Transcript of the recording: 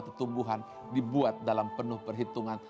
pertumbuhan dibuat dalam penuh perhitungan